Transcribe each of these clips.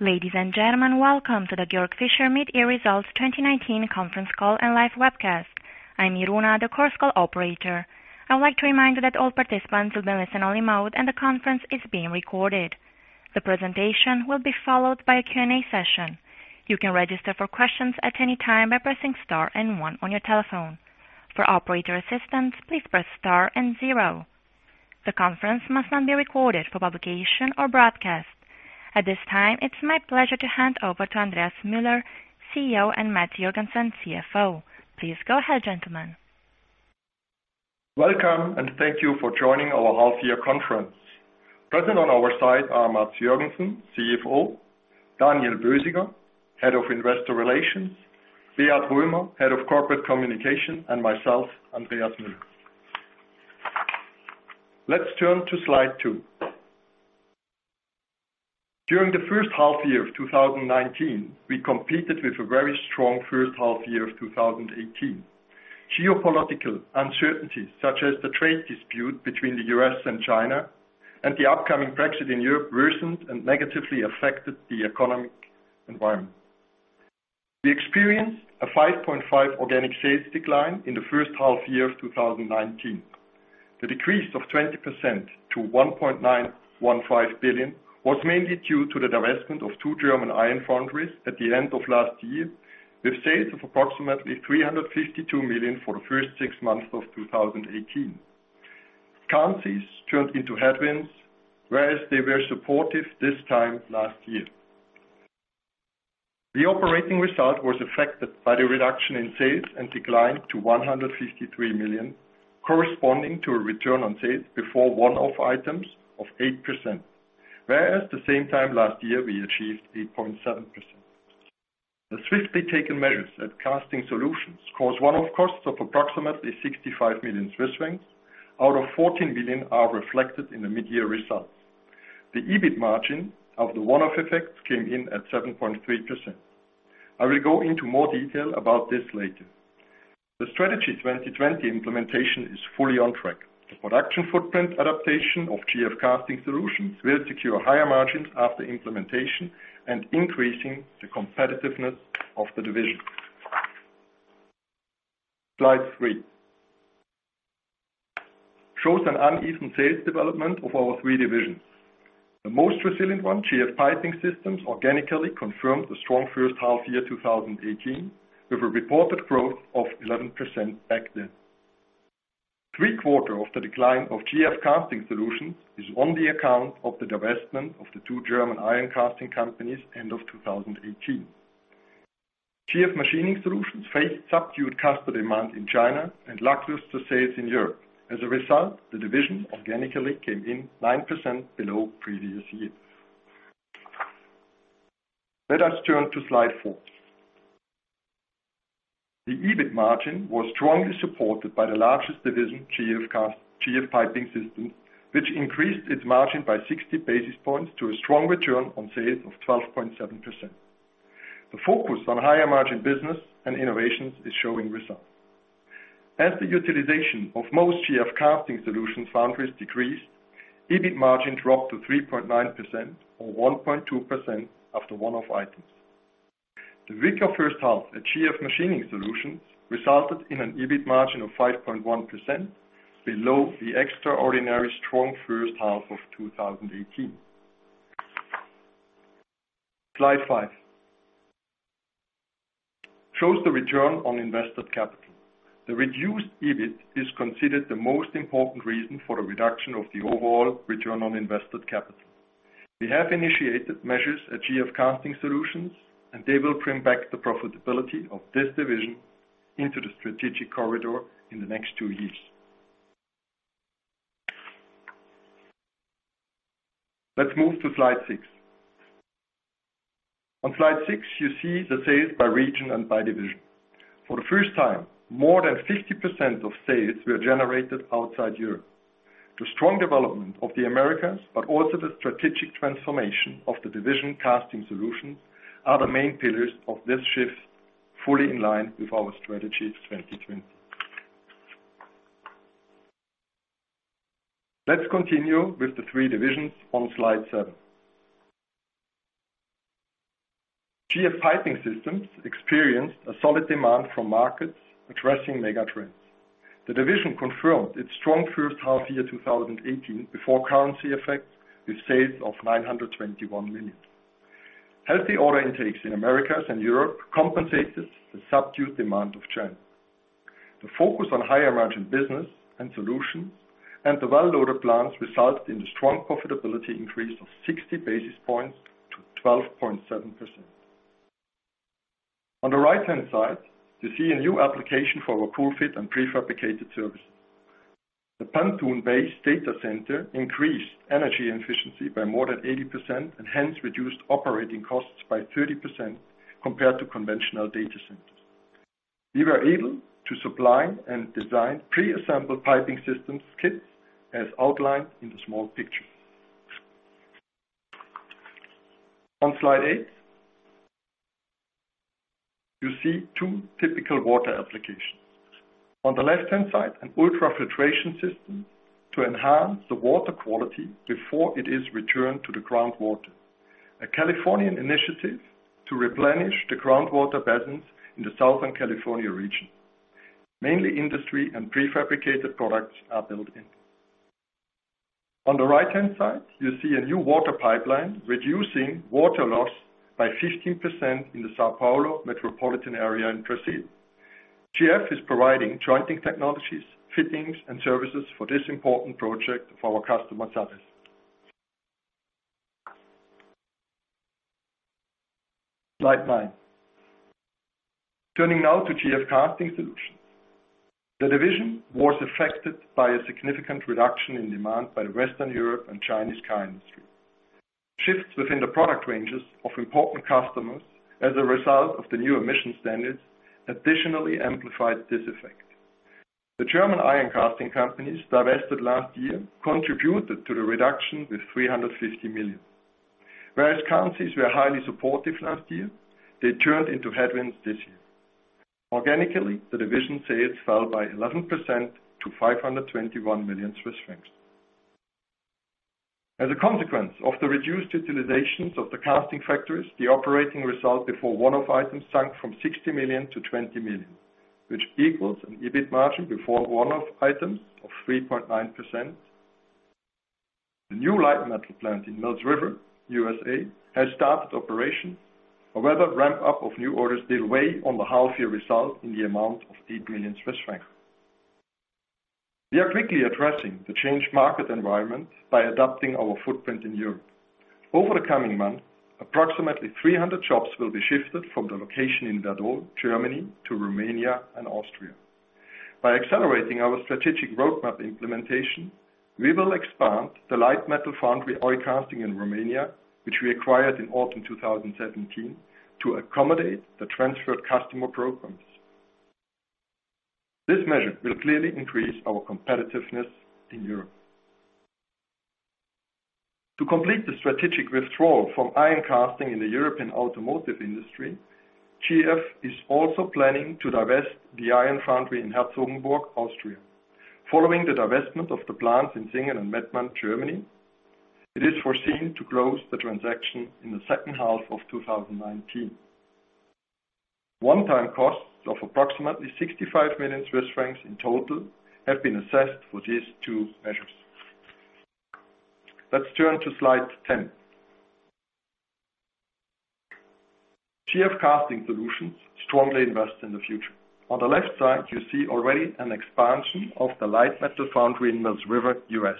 Ladies and gentlemen, welcome to the Georg Fischer Mid-Year Results 2019 conference call and live webcast. I'm Iruna, the Chorus Call operator. I would like to remind you that all participants will be in listen-only mode and the conference is being recorded. The presentation will be followed by a Q&A session. You can register for questions at any time by pressing star and one on your telephone. For operator assistance, please press star and zero. The conference must not be recorded for publication or broadcast. At this time, it's my pleasure to hand over to Andreas Müller, CEO, and Mads Joergensen, CFO. Please go ahead, gentlemen. Welcome and thank you for joining our half-year conference. Present on our side are Mads Joergensen, CFO, Daniel Boesiger, Head of Investor Relations, Beat Röhmer, Head of Corporate Communication, and myself, Andreas Müller. Let's turn to slide two. During the first half-year of 2019, we competed with a very strong first half-year of 2018. Geopolitical uncertainties such as the trade dispute between the U.S. and China and the upcoming Brexit in Europe worsened and negatively affected the economic environment. We experienced a 5.5% organic sales decline in the first half-year of 2019. The decrease of 20% to 1.915 billion was mainly due to the divestment of two German iron foundries at the end of last year, with sales of approximately 352 million for the first six months of 2018. Currencies turned into headwinds, whereas they were supportive this time last year. The operating result was affected by the reduction in sales and declined to 153 million, corresponding to a return on sales before one-off items of 8%, whereas the same time last year, we achieved 8.7%. The swiftly taken measures at Casting Solutions caused one-off costs of approximately 65 million Swiss francs, out of which 14 million are reflected in the mid-year results. The EBIT margin of the one-off effects came in at 7.3%. I will go into more detail about this later. The Strategy 2020 implementation is fully on track. The production footprint adaptation of GF Casting Solutions will secure higher margins after implementation and increasing the competitiveness of the division. Slide three shows an uneven sales development of our three divisions. The most resilient one, GF Piping Systems, organically confirmed the strong first half-year 2018 with a reported growth of 11% back then. Three-quarters of the decline of GF Casting Solutions is on the account of the divestment of the two German iron casting companies end of 2018. GF Machining Solutions faced subdued customer demand in China and lackluster sales in Europe. As a result, the division organically came in 9% below previous years. Let us turn to slide four. The EBIT margin was strongly supported by the largest division, GF Piping Systems, which increased its margin by 60 basis points to a strong return on sales of 12.7%. The focus on higher margin business and innovations is showing results. As the utilization of most GF Casting Solutions foundries decreased, EBIT margin dropped to 3.9% or 1.2% after one-off items. The weaker first half-year at GF Machining Solutions resulted in an EBIT margin of 5.1% below the extraordinary strong first half-year of 2018. Slide five shows the return on invested capital. The reduced EBIT is considered the most important reason for the reduction of the overall return on invested capital. We have initiated measures at GF Casting Solutions, and they will bring back the profitability of this division into the strategic corridor in the next two years. Let's move to slide six. On slide six, you see the sales by region and by division. For the first time, more than 50% of sales were generated outside Europe. The strong development of the Americas, but also the strategic transformation of the division Casting Solutions, are the main pillars of this shift fully in line with our Strategy 2020. Let's continue with the three divisions on slide seven. GF Piping Systems experienced a solid demand from markets addressing mega trends. The division confirmed its strong first half year 2018 before currency effects with sales of 921 million. Healthy order intakes in Americas and Europe compensated the subdued demand of China. The focus on higher margin business and solutions and the well-loaded plants resulted in the strong profitability increase of 60 basis points to 12.7%. On the right-hand side, you see a new application for our COOL-FIT and prefabricated services. The pontoon-based data center increased energy efficiency by more than 80% and hence reduced operating costs by 30% compared to conventional data centers. We were able to supply and design pre-assembled piping systems kits as outlined in the small picture. On slide eight, you see two typical water applications. On the left-hand side, an ultrafiltration system to enhance the water quality before it is returned to the groundwater. A Californian initiative to replenish the groundwater basins in the Southern California region. Mainly industry and prefabricated products are built in. On the right-hand side, you see a new water pipeline reducing water loss by 15% in the São Paulo metropolitan area in Brazil. GF is providing jointing technologies, fittings, and services for this important project for our customer, SUEZ. Slide nine. Turning now to GF Casting Solutions. The division was affected by a significant reduction in demand by the Western Europe and Chinese car industry. Shifts within the product ranges of important customers as a result of the new emission standards additionally amplified this effect. The German iron casting companies divested last year contributed to the reduction with 350 million. Whereas currencies were highly supportive last year, they turned into headwinds this year. Organically, the division sales fell by 11% to 521 million Swiss francs. As a consequence of the reduced utilizations of the casting factories, the operating result before one-off items sunk from 60 million-20 million, which equals an EBIT margin before one-off items of 3.9%. The new light metal plant in Mills River, U.S.A., has started operation. However, ramp-up of new orders did weigh on the half year result in the amount of 8 million Swiss francs. We are quickly addressing the changed market environment by adapting our footprint in Europe. Over the coming month, approximately 300 jobs will be shifted from the location in Wadern, Germany, to Romania and Austria. By accelerating our strategic roadmap implementation, we will expand the light metal foundry Eucasting Ro in Romania, which we acquired in autumn 2017, to accommodate the transferred customer programs. This measure will clearly increase our competitiveness in Europe. To complete the strategic withdrawal from iron casting in the European automotive industry, GF is also planning to divest the iron foundry in Herzogenburg, Austria. Following the divestment of the plants in Singen and Mettmann, Germany, it is foreseen to close the transaction in the second half of 2019. One-time costs of approximately 65 million Swiss francs in total have been assessed for these two measures. Let's turn to slide 10. GF Casting Solutions strongly invest in the future. On the left side, you see already an expansion of the light metal foundry in Mills River, U.S.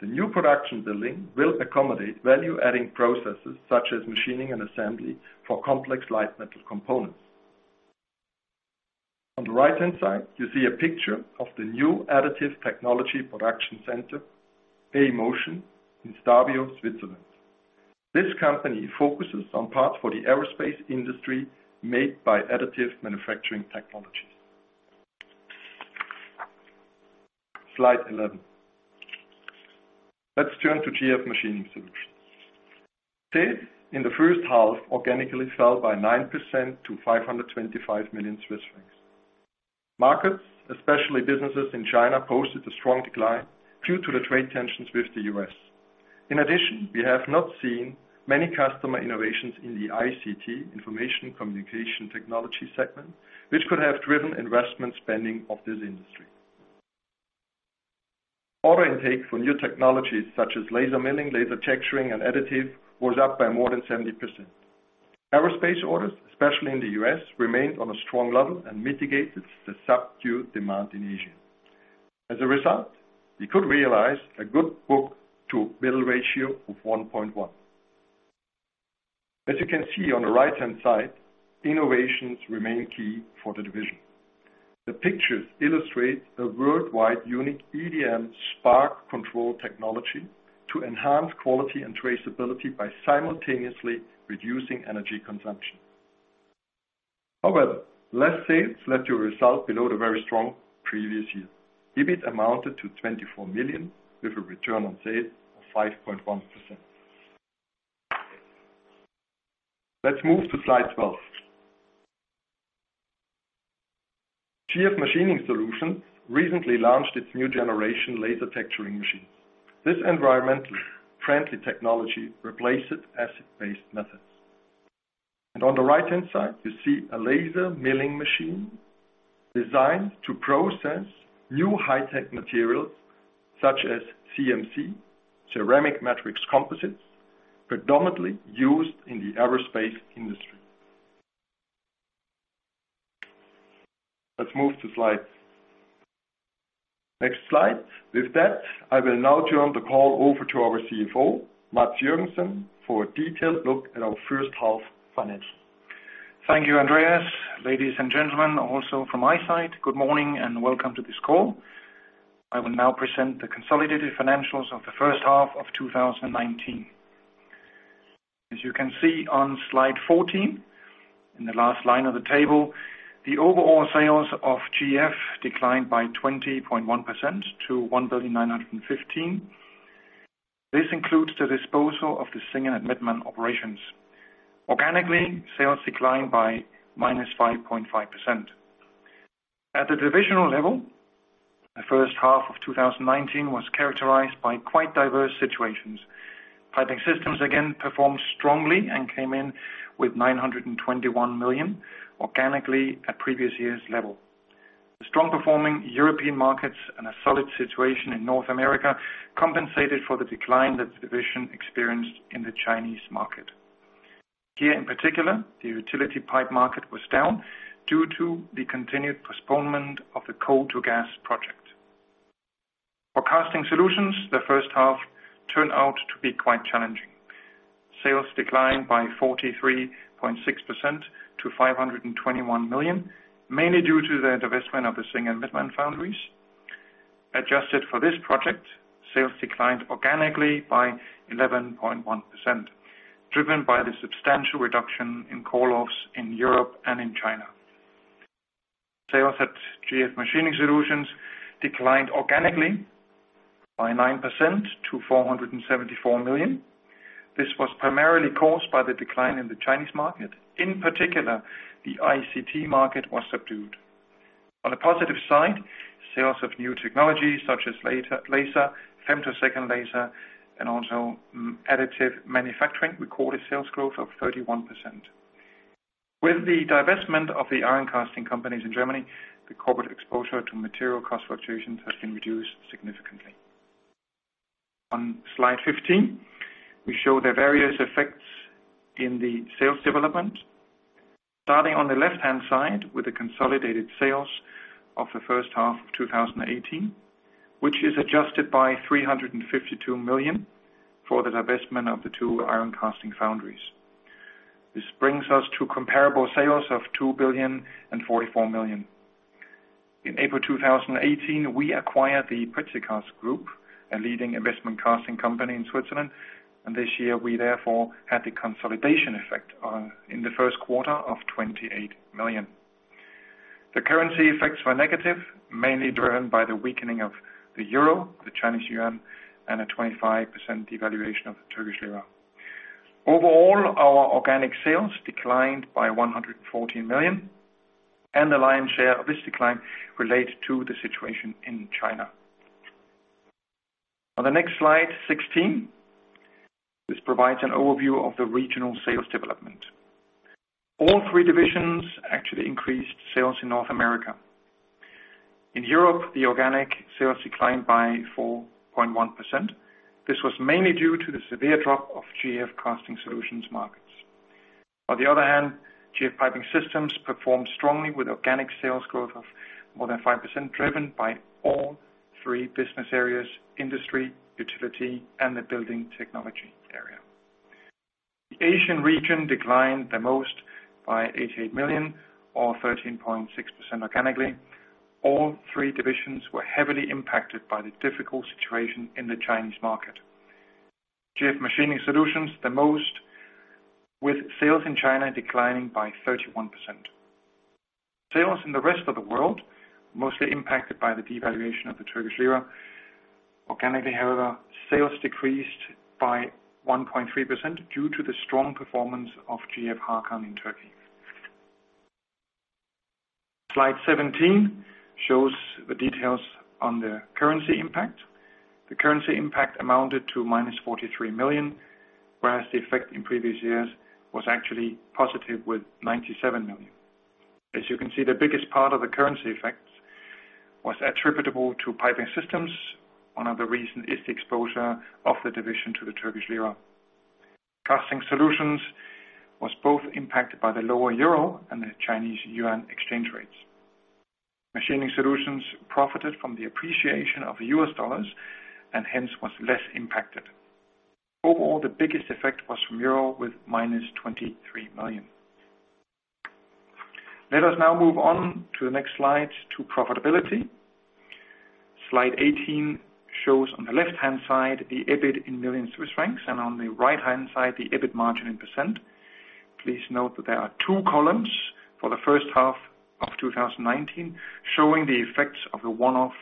The new production building will accommodate value-adding processes such as machining and assembly for complex light metal components. On the right-hand side, you see a picture of the new additive technology production center, AMotion, in Stabio, Switzerland. This company focuses on parts for the aerospace industry made by additive manufacturing technologies. Slide 11. Let's turn to GF Machining Solutions. Sales in the first half organically fell by 9% to 525 million Swiss francs. Markets, especially businesses in China, posted a strong decline due to the trade tensions with the U.S. In addition, we have not seen many customer innovations in the ICT, Information and Communication Technology segment, which could have driven investment spending of this industry. Order intake for new technologies such as laser milling, laser texturing, and additive was up by more than 70%. Aerospace orders, especially in the U.S., remained on a strong level and mitigated the subdued demand in Asia. As a result, we could realize a good book-to-bill ratio of 1.1. As you can see on the right-hand side, innovations remain key for the division. The pictures illustrate a worldwide unique EDM spark control technology to enhance quality and traceability by simultaneously reducing energy consumption. However, less sales led to a result below the very strong previous year. EBIT amounted to 24 million, with a return on sales of 5.1%. Let's move to slide 12. GF Machining Solutions recently launched its new generation laser texturing machine. This environmentally friendly technology replaces acid-based methods. On the right-hand side, you see a laser milling machine designed to process new high-tech materials such as CMC, ceramic matrix composites, predominantly used in the aerospace industry. Next slide. With that, I will now turn the call over to our CFO, Mads Joergensen, for a detailed look at our first half financials. Thank you, Andreas. Ladies and gentlemen, also from my side, good morning and welcome to this call. I will now present the consolidated financials of the first half of 2019. As you can see on slide 14, in the last line of the table, the overall sales of GF declined by 20.1% to 1 billion 915. This includes the disposal of the Singen and Mettmann operations. Organically, sales declined by -5.5%. At the divisional level, the first half of 2019 was characterized by quite diverse situations. Piping Systems again performed strongly and came in with 921 million organically at previous year's level. The strong-performing European markets and a solid situation in North America compensated for the decline that the division experienced in the Chinese market. Here, in particular, the utility pipe market was down due to the continued postponement of the coal to gas project. For Casting Solutions, the first half turned out to be quite challenging. Sales declined by 43.6% to 521 million, mainly due to the divestment of the Singen and Mettmann foundries. Adjusted for this project, sales declined organically by 11.1%, driven by the substantial reduction in call-offs in Europe and in China. Sales at GF Machining Solutions declined organically by 9% to 474 million. This was primarily caused by the decline in the Chinese market. In particular, the ICT market was subdued. On the positive side, sales of new technologies such as laser, femtosecond laser, and also additive manufacturing recorded sales growth of 31%. With the divestment of the iron casting companies in Germany, the corporate exposure to material cost fluctuations has been reduced significantly. On slide 15, we show the various effects in the sales development. Starting on the left-hand side with the consolidated sales of the first half of 2018, which is adjusted by 352 million for the divestment of the two iron casting foundries. This brings us to comparable sales of 2,044 million. In April 2018, we acquired the Precicast Group, a leading investment casting company in Switzerland, and this year we therefore had the consolidation effect in the first quarter of 28 million. The currency effects were negative, mainly driven by the weakening of the euro, the Chinese yuan, and a 25% devaluation of the Turkish lira. Overall, our organic sales declined by 114 million, and the lion's share of this decline related to the situation in China. On the next slide, 16, this provides an overview of the regional sales development. All three divisions actually increased sales in North America. In Europe, the organic sales declined by 4.1%. This was mainly due to the severe drop of GF Casting Solutions markets. On the other hand, GF Piping Systems performed strongly with organic sales growth of more than 5%, driven by all three business areas, industry, utility, and the building technology area. The Asian region declined the most by 88 million or 13.6% organically. All three divisions were heavily impacted by the difficult situation in the Chinese market. GF Machining Solutions the most, with sales in China declining by 31%. Sales in the rest of the world, mostly impacted by the devaluation of the Turkish lira. Organically, however, sales decreased by 1.3% due to the strong performance of GF Hakan in Turkey. Slide 17 shows the details on the currency impact. The currency impact amounted to -43 million, whereas the effect in previous years was actually positive with 97 million. As you can see, the biggest part of the currency effect was attributable to Piping Systems. One of the reasons is the exposure of the division to the Turkish lira. Casting Solutions was both impacted by the lower euro and the Chinese yuan exchange rates. Machining Solutions profited from the appreciation of the U.S. dollars and hence was less impacted. Overall, the biggest effect was from euro with -23 million. Let us now move on to the next slide to profitability. Slide 18 shows on the left-hand side the EBIT in 1 million Swiss francs, and on the right-hand side, the EBIT margin in percent. Please note that there are two columns for the first half of 2019, showing the effects of the one-off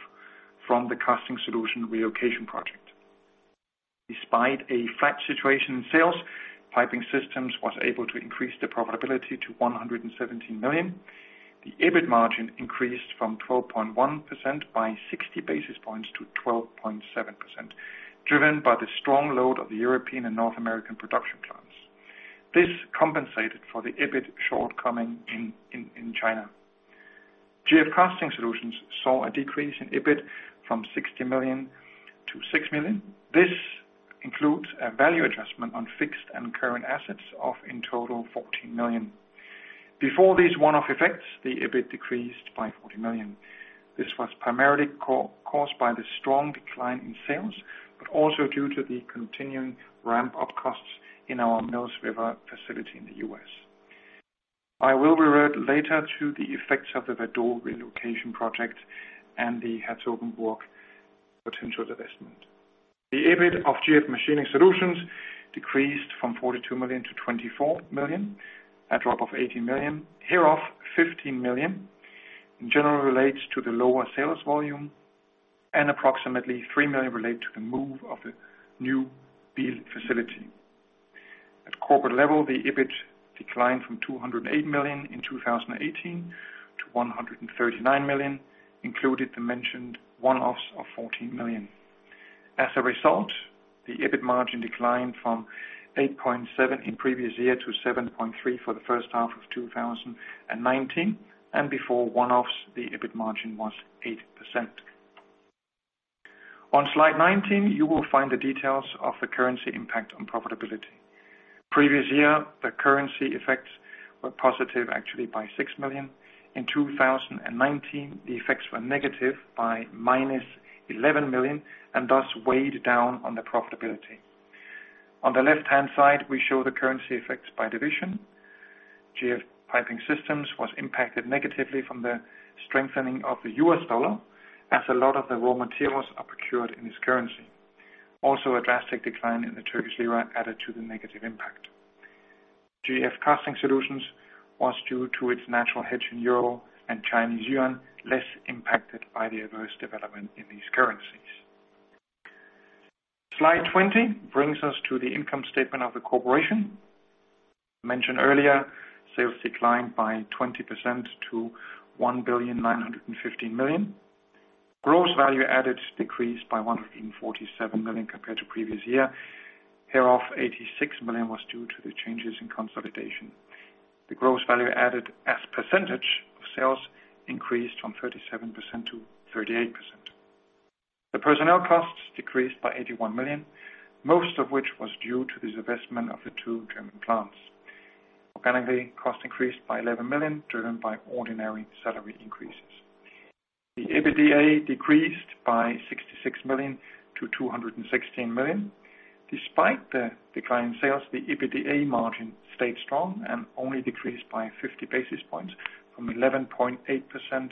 from the Casting Solutions relocation project. Despite a flat situation in sales, Piping Systems was able to increase the profitability to 117 million. The EBIT margin increased from 12.1% by 60 basis points to 12.7%, driven by the strong load of the European and North American production plants. This compensated for the EBIT shortcoming in China. GF Casting Solutions saw a decrease in EBIT from 60 million-6 million. This includes a value adjustment on fixed and current assets of, in total, 14 million. Before these one-off effects, the EBIT decreased by 40 million. This was primarily caused by the strong decline in sales, but also due to the continuing ramp-up costs in our Mills River facility in the U.S. I will revert later to the effects of the Wadern relocation project and the Herzogenburg potential divestment. The EBIT of GF Machining Solutions decreased from 42 million-24 million, a drop of 18 million. Hereof, 15 million. In general, relates to the lower sales volume and approximately 3 million relate to the move of the new Biel facility. At corporate level, the EBIT declined from 208 million in 2018 to 139 million, included the mentioned one-offs of 14 million. As a result, the EBIT margin declined from 8.7% in previous year to 7.3% for the first half of 2019, and before one-offs, the EBIT margin was 8%. On slide 19, you will find the details of the currency impact on profitability. Previous year, the currency effects were positive, actually by 6 million. In 2019, the effects were negative by -11 million and thus weighed down on the profitability. On the left-hand side, we show the currency effects by division. GF Piping Systems was impacted negatively from the strengthening of the U.S. dollar, as a lot of the raw materials are procured in this currency. Also, a drastic decline in the Turkish lira added to the negative impact. GF Casting Solutions was, due to its natural hedge in euro and Chinese yuan, less impacted by the adverse development in these currencies. Slide 20 brings us to the income statement of the corporation. Mentioned earlier, sales declined by 20% to 1,915 million. Gross value added decreased by 147 million compared to previous year. Hereof, 86 million was due to the changes in consolidation. The gross value added as percentage of sales increased from 37%-38%. The personnel costs decreased by 81 million, most of which was due to the divestment of the two German plants. Organically, cost increased by 11 million, driven by ordinary salary increases. The EBITDA decreased by 66 million-216 million. Despite the decline in sales, the EBITDA margin stayed strong and only decreased by 50 basis points from 11.8%-11.3%.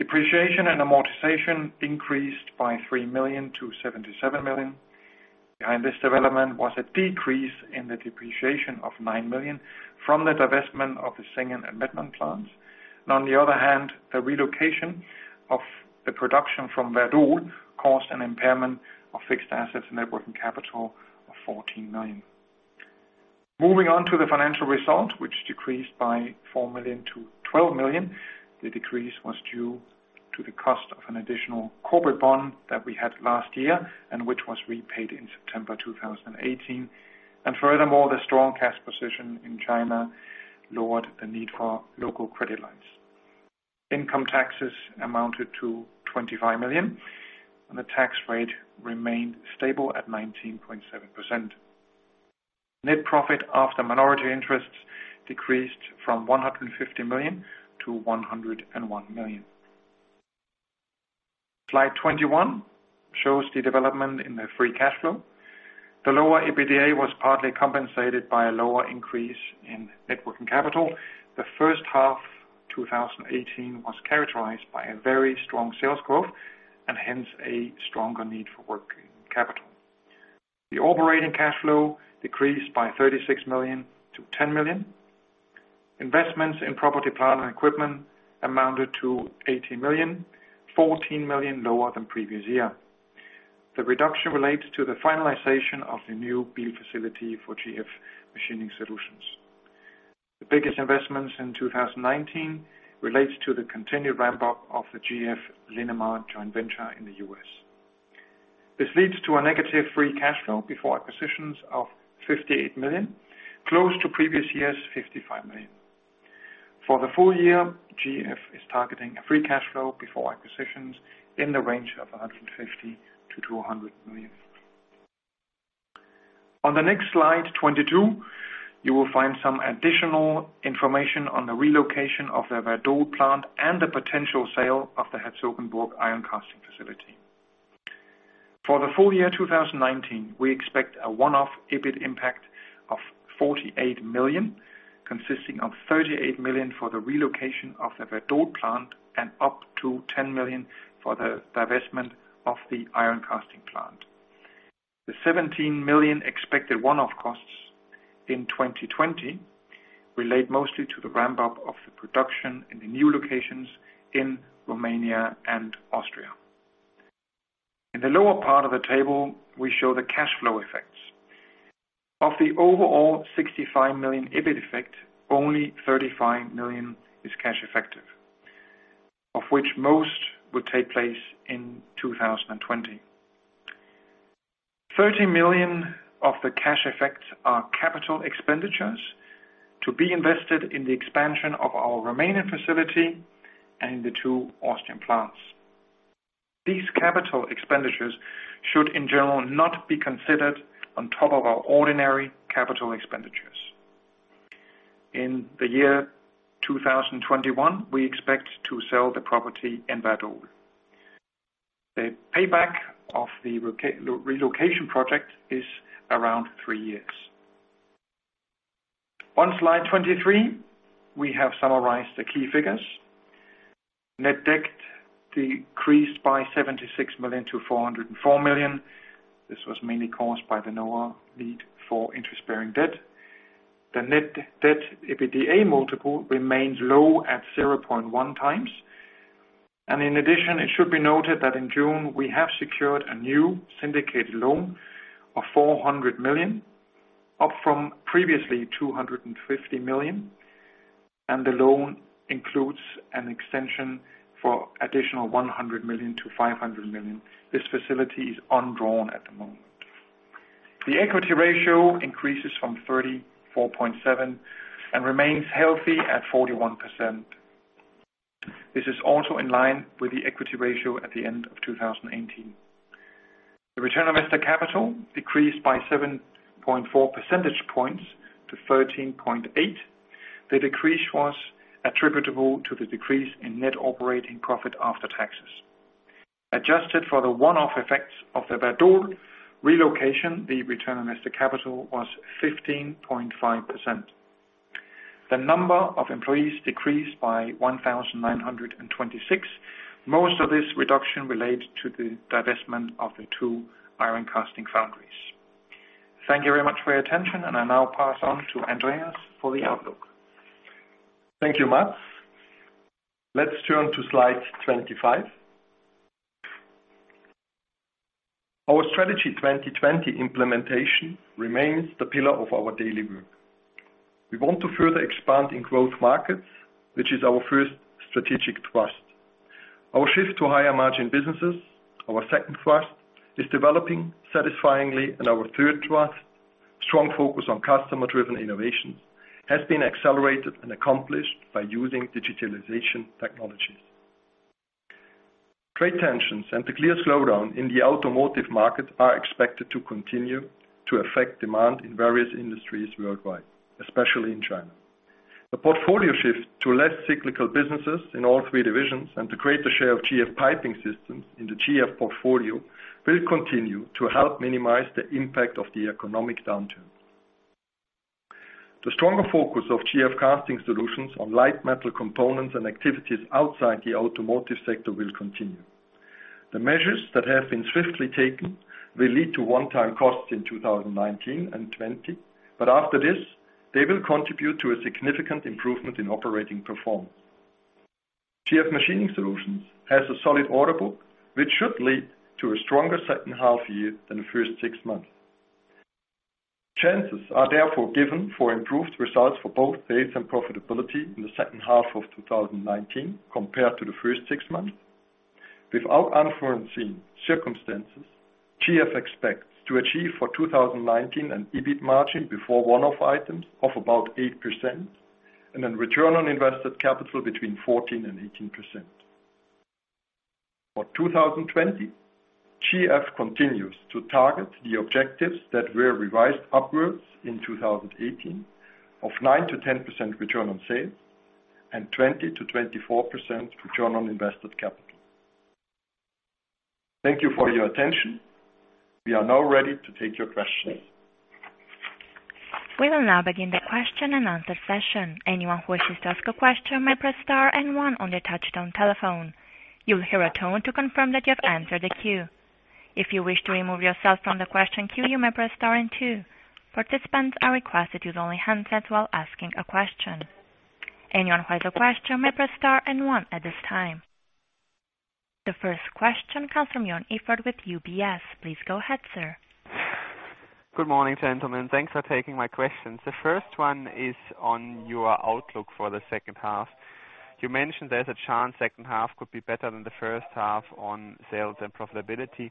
Depreciation and amortization increased by 3 million-77 million. Behind this development was a decrease in the depreciation of 9 million from the divestment of the Singen and Mettmann plants. On the other hand, the relocation of the production from Wadern caused an impairment of fixed assets net working capital of 14 million. Moving on to the financial result, which decreased by 4 million-12 million. The decrease was due to the cost of an additional corporate bond that we had last year and which was repaid in September 2018. Furthermore, the strong cash position in China lowered the need for local credit lines. Income taxes amounted to 25 million, and the tax rate remained stable at 19.7%. Net profit after minority interests decreased from 150 million-101 million. Slide 21 shows the development in the free cash flow. The lower EBITDA was partly compensated by a lower increase in net working capital. The first half 2018 was characterized by a very strong sales growth, hence, a stronger need for working capital. The operating cash flow decreased by 36 million-10 million. Investments in property, plant and equipment amounted to 80 million, 14 million lower than previous year. The reduction relates to the finalization of the new build facility for GF Machining Solutions. The biggest investments in 2019 relates to the continued ramp-up of the GF Linamar joint venture in the U.S. This leads to a negative free cash flow before acquisitions of 58 million, close to previous year's 55 million. For the full year, GF is targeting a free cash flow before acquisitions in the range of 150 million-200 million. On the next slide, 22, you will find some additional information on the relocation of the Wadern plant and the potential sale of the Herzogenburg iron casting facility. For the full year 2019, we expect a one-off EBIT impact of 48 million, consisting of 38 million for the relocation of the Wadern plant and up to 10 million for the divestment of the iron casting plant. The 17 million expected one-off costs in 2020 relate mostly to the ramp-up of the production in the new locations in Romania and Austria. In the lower part of the table, we show the cash flow effects. Of the overall 65 million EBIT effect, only 35 million is cash effective, of which most would take place in 2020. 30 million of the cash effects are capital expenditures to be invested in the expansion of our Romanian facility and the two Austrian plants. These capital expenditures should in general not be considered on top of our ordinary capital expenditures. In the year 2021, we expect to sell the property in Wadern. The payback of the relocation project is around three years. On slide 23, we have summarized the key figures. Net debt decreased by 76 million-404 million. This was mainly caused by the lower need for interest-bearing debt. The net debt EBITDA multiple remains low at 0.1x. In addition, it should be noted that in June we have secured a new syndicated loan of 400 million, up from previously 250 million, and the loan includes an extension for additional 100 million-500 million. This facility is undrawn at the moment. The equity ratio increases from 34.7% and remains healthy at 41%. This is also in line with the equity ratio at the end of 2018. The Return on Investor Capital decreased by 7.4 percentage points to 13.8%. The decrease was attributable to the decrease in net operating profit after taxes. Adjusted for the one-off effects of the Wadern relocation, the Return on Investor Capital was 15.5%. The number of employees decreased by 1,926. Most of this reduction relates to the divestment of the two iron casting foundries. Thank you very much for your attention, and I now pass on to Andreas for the outlook. Thank you, Mads. Let's turn to slide 25. Our Strategy 2020 implementation remains the pillar of our daily work. We want to further expand in growth markets, which is our first strategic thrust. Our shift to higher margin businesses, our second thrust, is developing satisfyingly, and our third thrust, strong focus on customer-driven innovations, has been accelerated and accomplished by using digitalization technologies. Trade tensions and the clear slowdown in the automotive market are expected to continue to affect demand in various industries worldwide, especially in China. The portfolio shift to less cyclical businesses in all three divisions and the greater share of GF Piping Systems in the GF portfolio will continue to help minimize the impact of the economic downturn. The stronger focus of GF Casting Solutions on light metal components and activities outside the automotive sector will continue. The measures that have been swiftly taken will lead to one-time costs in 2019 and 2020, after this, they will contribute to a significant improvement in operating performance. GF Machining Solutions has a solid order book, which should lead to a stronger second half year than the first six months. Chances are therefore given for improved results for both sales and profitability in the second half of 2019 compared to the first six months. Without unforeseen circumstances, GF expects to achieve for 2019 an EBIT margin before one-off items of about 8% and a return on invested capital between 14% and 18%. For 2020, GF continues to target the objectives that were revised upwards in 2018 of 9%-10% return on sales and 20%-24% return on invested capital. Thank you for your attention. We are now ready to take your questions. We will now begin the question-and-answer session. Anyone who wishes to ask a question may press star and one on their touchtone telephone. You will hear a tone to confirm that you have entered the queue. If you wish to remove yourself from the question queue, you may press star and two. Participants are requested to use only handsets while asking a question. Anyone who has a question may press star and one at this time. The first question comes from Joern Iffert with UBS. Please go ahead, sir. Good morning, gentlemen. Thanks for taking my questions. The first one is on your outlook for the second half. You mentioned there's a chance second half could be better than the first half on sales and profitability.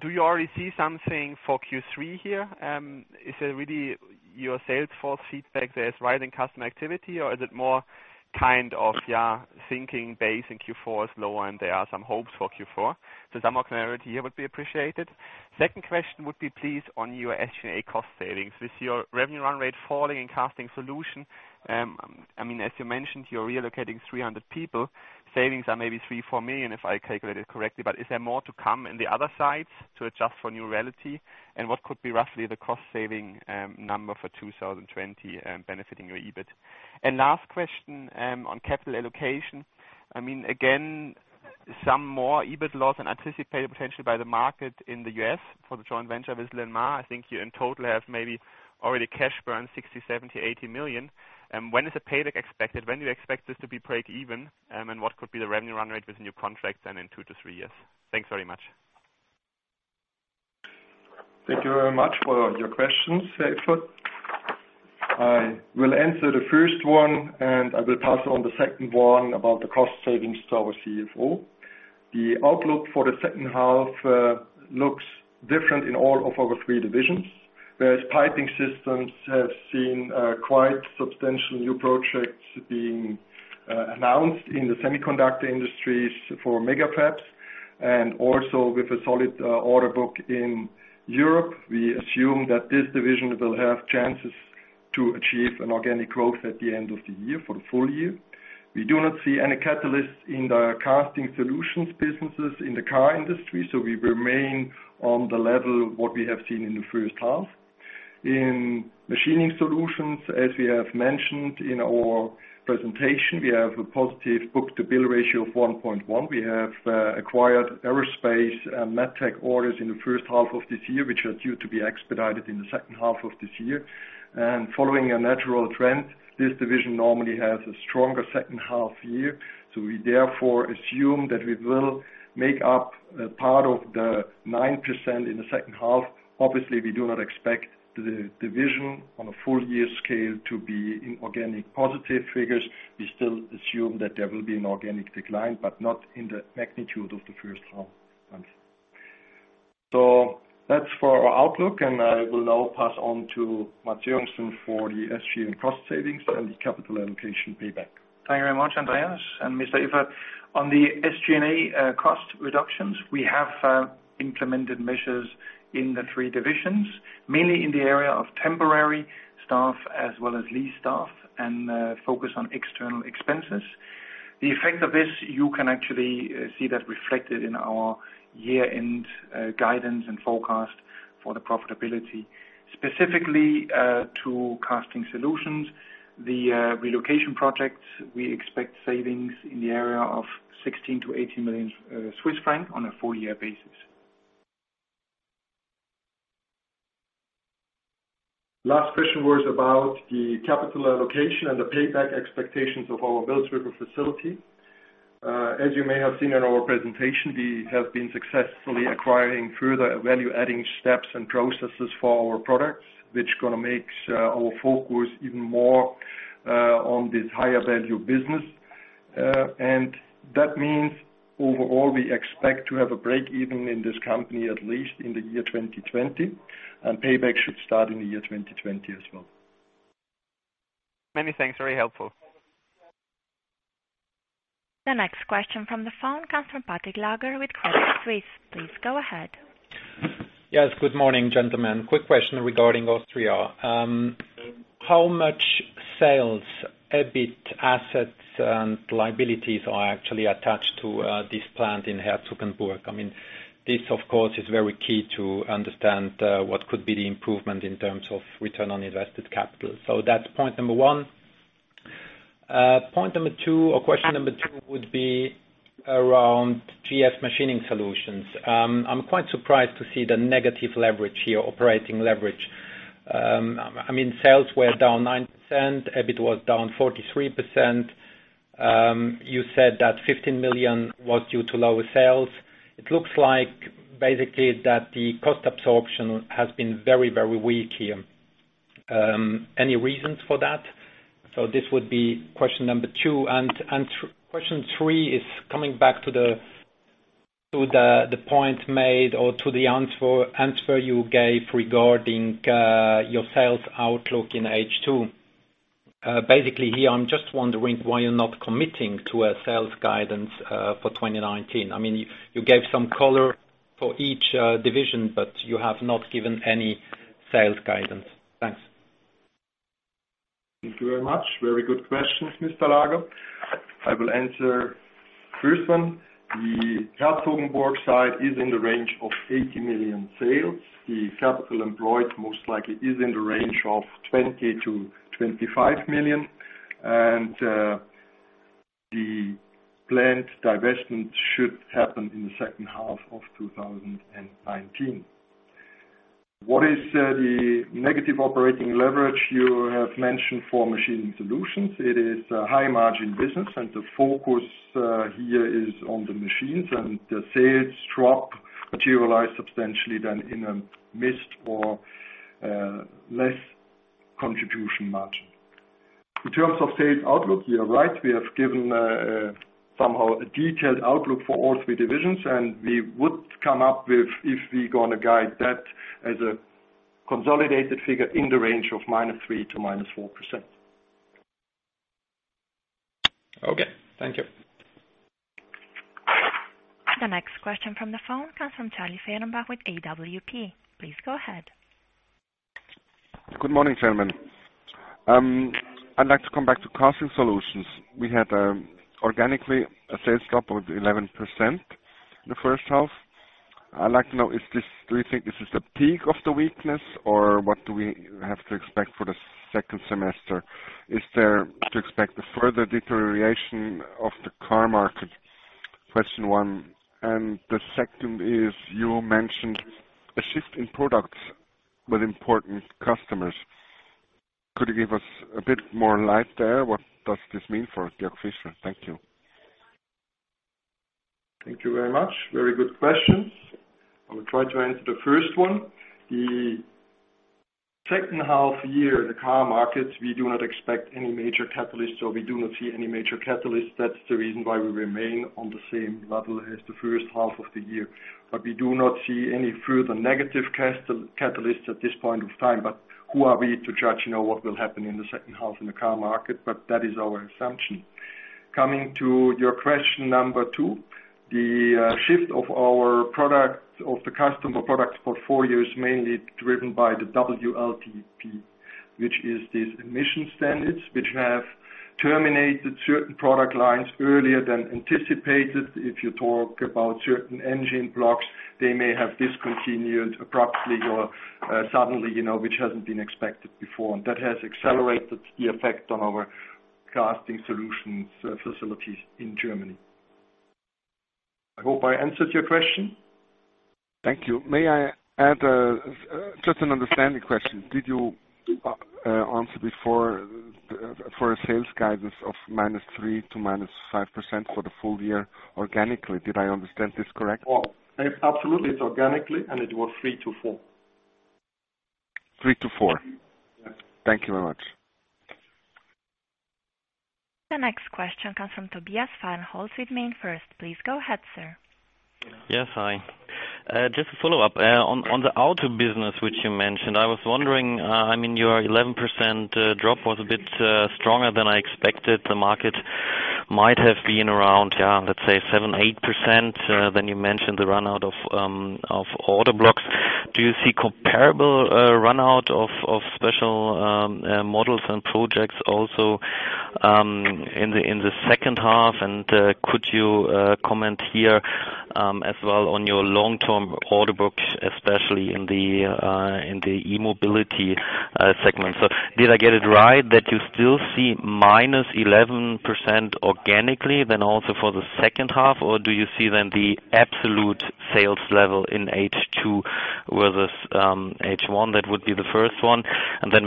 Do you already see something for Q3 here? Is it really your sales force feedback there's rising customer activity, or is it more kind of thinking base in Q4 is low and there are some hopes for Q4? Some more clarity here would be appreciated. Second question would be please on your S&A cost savings. With your revenue run rate falling in Casting Solutions, as you mentioned, you're relocating 300 people. Savings are maybe three, four million, if I calculated correctly. Is there more to come in the other sides to adjust for new reality? What could be roughly the cost saving number for 2020 benefiting your EBIT? Last question on capital allocation. Again, some more EBIT loss than anticipated potentially by the market in the U.S. for the joint venture with Linamar. I think you in total have maybe already cash burn 60 million-80 million. When is the payback expected? When do you expect this to be break-even? What could be the revenue run rate with new contracts in two to three years? Thanks very much. Thank you very much for your questions, Iffert. I will answer the first one, I will pass on the second one about the cost savings to our CFO. The outlook for the second half looks different in all of our three divisions. GF Piping Systems has seen quite substantial new projects being announced in the semiconductor industries for mega-fabs and also with a solid order book in Europe. We assume that this division will have chances to achieve an organic growth at the end of the year for the full year. We do not see any catalysts in the Casting Solutions businesses in the car industry, we remain on the level what we have seen in the first half. In GF Machining Solutions, as we have mentioned in our presentation, we have a positive book-to-bill ratio of 1.1. We have acquired aerospace med tech orders in the first half of this year, which are due to be expedited in the second half of this year. Following a natural trend, this division normally has a stronger second half-year. We therefore assume that we will make up part of the 9% in the second half. Obviously, we do not expect the division on a full-year scale to be in organic positive figures. We still assume that there will be an organic decline, but not in the magnitude of the first half. That's for our outlook, I will now pass on to Mads Joergensen for the SG&A cost savings and the capital allocation payback. Thank you very much, Andreas and Mr. Iffert. On the SG&A cost reductions, we have implemented measures in the three divisions, mainly in the area of temporary staff as well as lease staff, and focus on external expenses. The effect of this, you can actually see that reflected in our year-end guidance and forecast for the profitability. Specifically to Casting Solutions, the relocation projects, we expect savings in the area of 16 million-18 million Swiss francs on a full-year basis. Last question was about the capital allocation and the payback expectations of our Mills River facility. As you may have seen in our presentation, we have been successfully acquiring further value-adding steps and processes for our products, which is going to make our focus even more on this higher value business. That means overall, we expect to have a break even in this company, at least in 2020, and payback should start in 2020 as well. Many thanks. Very helpful. The next question from the phone comes from Patrick Laager with Credit Suisse. Please go ahead. Yes. Good morning, gentlemen. Quick question regarding Austria. How much sales, EBIT, assets, and liabilities are actually attached to this plant in Herzogenburg? This, of course, is very key to understand what could be the improvement in terms of return on invested capital. That's point number one. Point number two or question number two would be around GF Machining Solutions. I'm quite surprised to see the negative leverage here, operating leverage. Sales were down 9%, EBIT was down 43%. You said that 15 million was due to lower sales. It looks like basically that the cost absorption has been very weak here. Any reasons for that? This would be question number two. Question three is coming back to the point made or to the answer you gave regarding your sales outlook in H2. Basically here, I'm just wondering why you're not committing to a sales guidance for 2019. You gave some color for each division, but you have not given any sales guidance. Thanks. Thank you very much. Very good questions, Mr. Laager. I will answer the first one. The Herzogenburg site is in the range of 80 million sales. The capital employed most likely is in the range of 20 million-25 million. The planned divestment should happen in the second half of 2019. What is the negative operating leverage you have mentioned for Machining Solutions? It is a high-margin business, and the focus here is on the machines and the sales drop materialize substantially then in a missed or less contribution margin. In terms of sales outlook, you're right. We have given somehow a detailed outlook for all three divisions, and we would come up with, if we're going to guide that as a consolidated figure in the range of -3% to -4%. Okay. Thank you. The next question from the phone comes from Charlie Fehrenbach with AWP. Please go ahead. Good morning, gentlemen. I'd like to come back to Casting Solutions. We had organically a sales drop of 11% in the first half. I'd like to know, do you think this is the peak of the weakness, or what do we have to expect for the second semester? Is there to expect a further deterioration of the car market? Question one. The second is you mentioned a shift in products with important customers. Could you give us a bit more light there? What does this mean for Georg Fischer? Thank you. Thank you very much. Very good questions. I will try to answer the first one. The second half year, the car market, we do not expect any major catalysts, we do not see any major catalysts. That's the reason why we remain on the same level as the first half of the year. We do not see any further negative catalysts at this point of time. Who are we to judge what will happen in the second half in the car market? That is our assumption. Coming to your question number two, the shift of the customer products portfolio is mainly driven by the WLTP, which is these emission standards, which have terminated certain product lines earlier than anticipated. If you talk about certain engine blocks, they may have discontinued abruptly or suddenly, which hasn't been expected before. That has accelerated the effect on our Casting Solutions facilities in Germany. I hope I answered your question. Thank you. May I add, just an understanding question. Did you answer before for a sales guidance of -3% to -5% for the full year organically? Did I understand this correct? Well, absolutely. It's organically, and it was 3%-4%. 3%-4%. Yes. Thank you very much. The next question comes from Tobias Fahrenholz with MainFirst. Please go ahead, sir. Yes. Hi. Just a follow-up. On the auto business, which you mentioned, I was wondering, your 11% drop was a bit stronger than I expected. The market might have been around, let's say 7%, 8%, then you mentioned the run out of order blocks. Do you see comparable run out of special models and projects also in the second half? Could you comment here, as well on your long-term order books, especially in the e-mobility segment. Did I get it right that you still see -11% organically then also for the second half? Do you see then the absolute sales level in H2 versus H1? That would be the first one.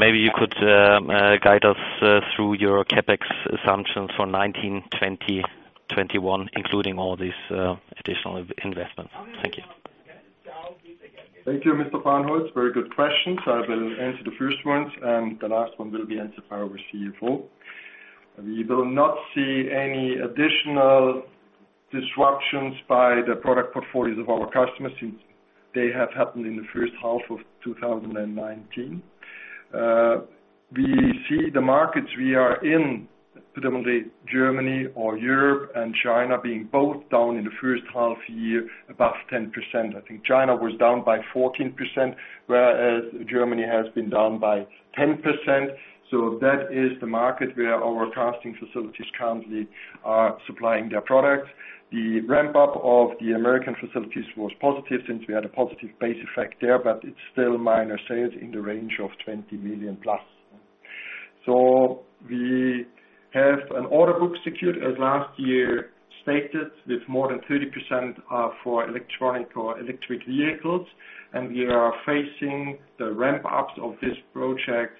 Maybe you could guide us through your CapEx assumptions for 2019, 2020, 2021, including all these additional investments. Thank you. Thank you, Mr. Fahrenholz. Very good questions. I will answer the first one, and the last one will be answered by our CFO. We will not see any additional disruptions by the product portfolios of our customers since they have happened in the first half of 2019. We see the markets we are in, predominantly Germany or Europe and China being both down in the first half year above 10%. I think China was down by 14%, whereas Germany has been down by 10%. That is the market where our casting facilities currently are supplying their products. The ramp-up of the American facilities was positive since we had a positive base effect there, but it's still minor sales in the range of 20 million+. We have an order book secured as last year stated, with more than 30% are for electronic or electric vehicles. We are facing the ramp-ups of this project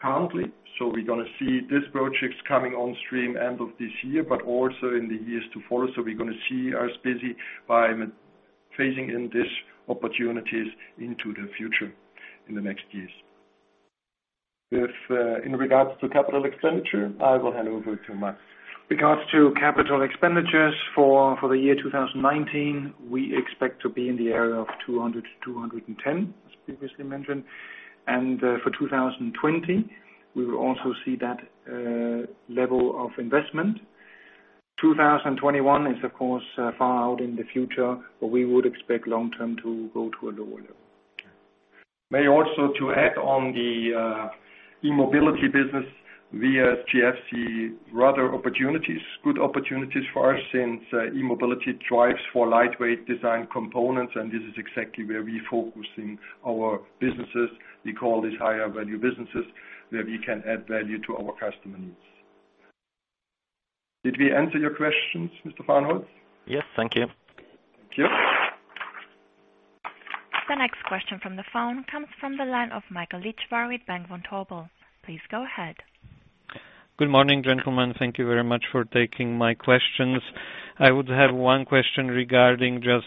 currently. We're going to see these projects coming on stream end of this year, but also in the years to follow. We're going to see us busy by phasing in these opportunities into the future in the next years. In regards to capital expenditure, I will hand over to Mads. Regards to capital expenditures for the year 2019, we expect to be in the area of 200 million-210 million, as previously mentioned. For 2020, we will also see that level of investment. 2021 is, of course, far out in the future, but we would expect long-term to go to a lower level. May also to add on the e-mobility business, we at GFC, rather opportunities, good opportunities for us since e-mobility drives for lightweight design components, this is exactly where we focusing our businesses. We call this higher value businesses, where we can add value to our customer needs. Did we answer your questions, Mr. Fahrenholz? Yes. Thank you. Thank you. The next question from the phone comes from the line of Michal Lichvar with Bank Vontobel. Please go ahead. Good morning, gentlemen. Thank you very much for taking my questions. I would have one question regarding just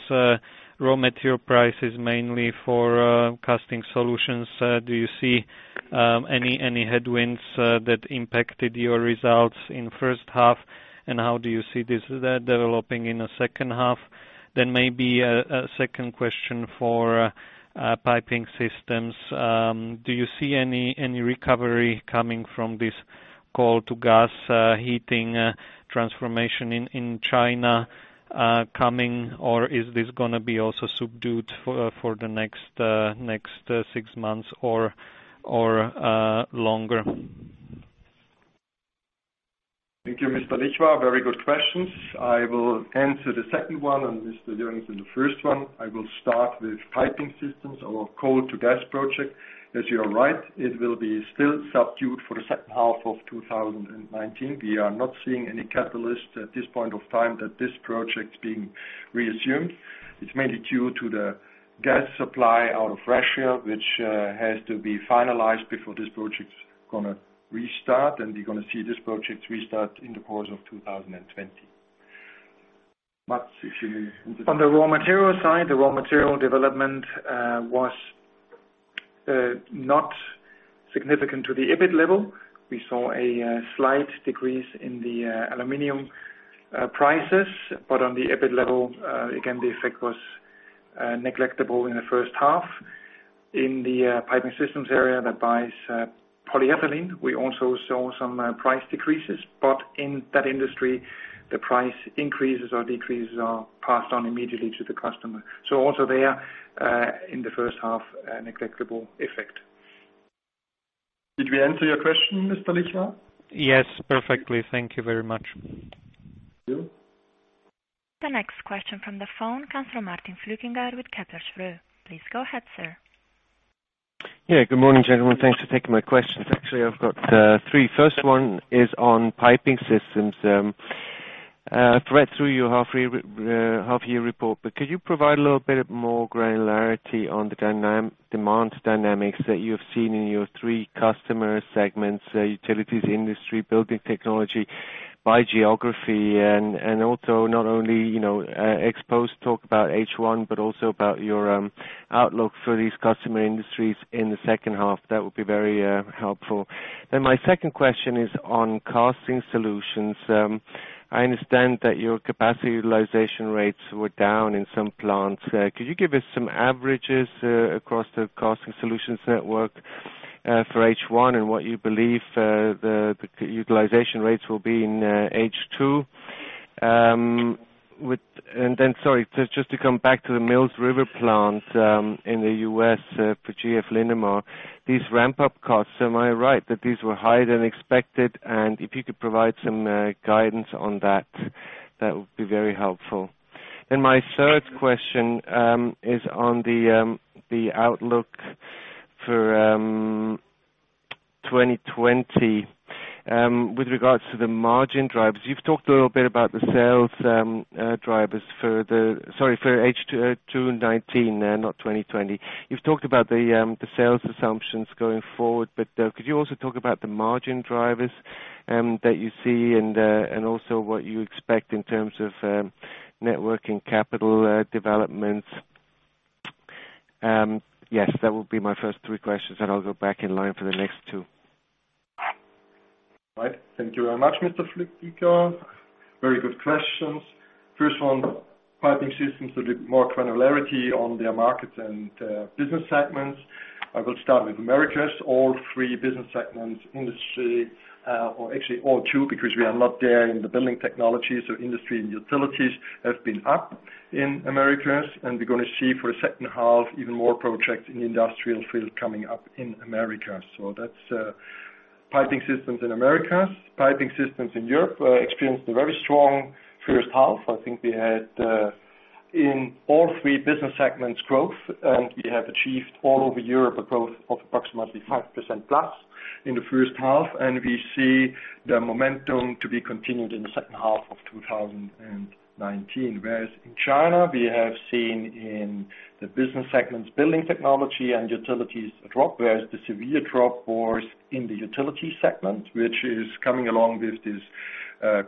raw material prices, mainly for Casting Solutions. Do you see any headwinds that impacted your results in first half, and how do you see this developing in the second half? Maybe a second question for GF Piping Systems. Do you see any recovery coming from this coal to gas heating transformation in China coming, or is this going to be also subdued for the next six months or longer? Thank you, Mr. Lichvar. Very good questions. I will answer the second one and Mr. Joergensen the first one. I will start with GF Piping Systems, our coal to gas project. As you are right, it will be still subdued for the second half of 2019. We are not seeing any catalyst at this point of time that this project is being reassumed. It's mainly due to the gas supply out of Russia, which has to be finalized before this project is going to restart, and we're going to see this project restart in the course of 2020. Mads, if you- On the raw material side, the raw material development was not significant to the EBIT level. We saw a slight decrease in the aluminum prices, but on the EBIT level, again, the effect was neglectable in the first half. In the GF Piping Systems area that buys polyethylene, we also saw some price decreases. In that industry, the price increases or decreases are passed on immediately to the customer. Also there, in the first half, a neglectable effect. Did we answer your question, Mr. Lichvar? Yes, perfectly. Thank you very much. Thank you. The next question from the phone comes from Martin Flückiger with Kepler Cheuvreux. Please go ahead, sir. Good morning, gentlemen. Thanks for taking my questions. Actually, I've got three. First one is on piping systems. I've read through your half year report, but could you provide a little bit more granularity on the demand dynamics that you have seen in your three customer segments, utilities, industry, building technology by geography and also not only expose talk about H1, but also about your outlook for these customer industries in the second half. That would be very helpful. My second question is on casting solutions. I understand that your capacity utilization rates were down in some plants. Could you give us some averages across the casting solutions network for H1 and what you believe the utilization rates will be in H2? Sorry, just to come back to the Mills River plant in the U.S. for GF Linamar. These ramp-up costs, am I right that these were higher than expected? If you could provide some guidance on that would be very helpful. My third question is on the outlook for 2020 with regards to the margin drivers. You've talked a little bit about the sales drivers for the-- Sorry, for H2 of 2019, not 2020. You've talked about the sales assumptions going forward, but could you also talk about the margin drivers that you see and also what you expect in terms of networking capital developments? That would be my first three questions, then I'll go back in line for the next two. Thank you very much, Mr. Flückiger. Very good questions. First one, Piping Systems with more granularity on their markets and business segments. I will start with Americas. All three business segments, industry or actually all two, because we are not there in the building technology. Industry and utilities have been up in Americas, we're going to see for the second half even more projects in the industrial field coming up in America. That's Piping Systems in Americas. Piping Systems in Europe experienced a very strong first half. I think we had in all three business segments growth, we have achieved all over Europe a growth of approximately 5%+ in the first half. We see the momentum to be continued in the second half of 2019. Whereas in China, we have seen in the business segments, building technology and utilities drop. Whereas the severe drop was in the utility segment, which is coming along with this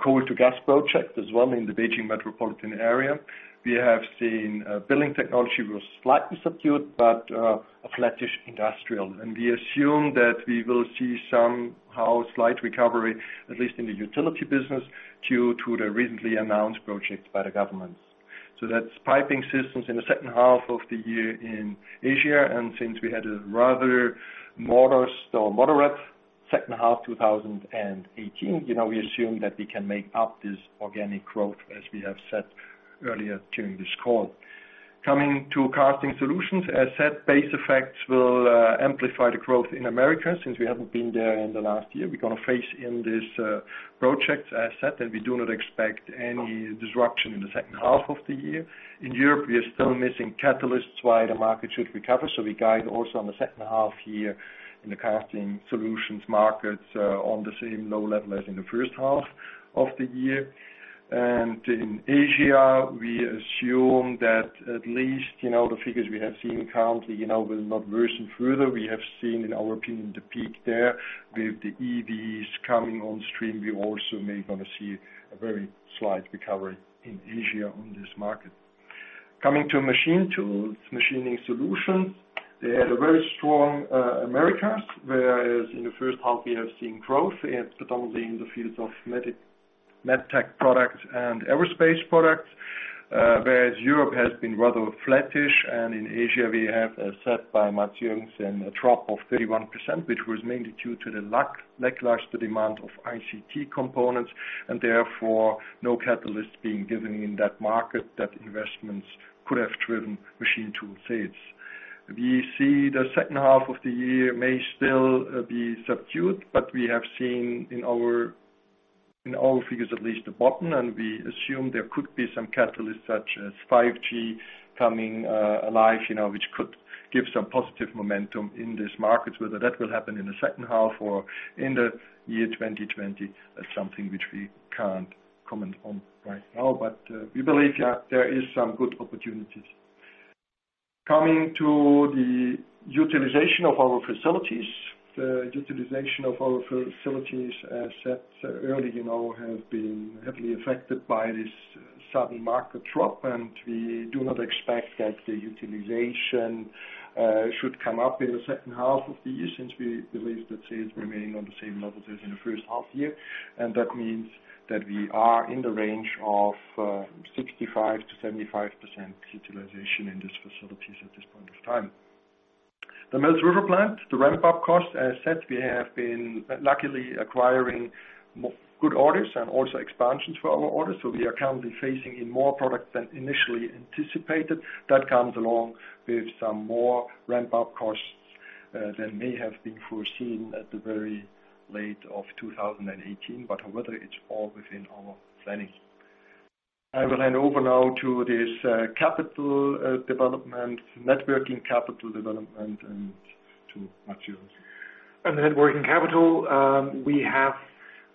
coal to gas project as well in the Beijing metropolitan area. We have seen building technology was slightly subdued, but a flattish industrial. We assume that we will see somehow slight recovery, at least in the utility business, due to the recently announced project by the government. That's Piping Systems in the second half of the year in Asia. Since we had a rather modest or moderate second half 2018, we assume that we can make up this organic growth, as we have said earlier during this call. Coming to Casting Solutions. As said, base effects will amplify the growth in America, since we haven't been there in the last year. We're going to face in this project asset, we do not expect any disruption in the second half of the year. In Europe, we are still missing catalysts why the market should recover. We guide also on the second half year in the Casting Solutions markets on the same low level as in the first half of the year. In Asia, we assume that at least, the figures we have seen currently, will not worsen further. We have seen, in our opinion the peak there with the EVs coming on stream. We also may going to see a very slight recovery in Asia on this market. Coming to Machining Solutions. They had a very strong Americas, whereas in the first half we have seen growth, predominantly in the fields of medtech products and aerospace products. Europe has been rather flattish. In Asia, we have, as said by Mads Joergensen, a drop of 31%, which was mainly due to the lackluster demand of ICT components. Therefore no catalyst being given in that market that investments could have driven machine tool sales. We see the second half of the year may still be subdued, but we have seen in our figures at least a bottom, and we assume there could be some catalysts such as 5G coming alive, which could give some positive momentum in this market. Whether that will happen in the second half or in the year 2020, that's something which we can't comment on right now. We believe there is some good opportunities. Coming to the utilization of our facilities. The utilization of our facilities, as said earlier, have been heavily affected by this sudden market drop. We do not expect that the utilization should come up in the second half of the year, since we believe that sales remain on the same level as in the first half year. That means that we are in the range of 65%-75% utilization in these facilities at this point of time. The Mills River plant, the ramp-up cost as said, luckily acquiring good orders and also expansions for our orders. We are currently phasing in more products than initially anticipated. That comes along with some more ramp-up costs than may have been foreseen at the very late of 2018. However, it's all within our planning. I will hand over now to this capital development, networking capital development, and to Mads. On the networking capital, we have